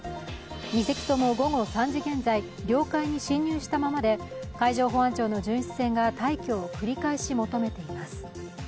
２隻とも午後３時現在、領海に侵入したままで海上保安庁の巡視船が退去を繰り返し求めています。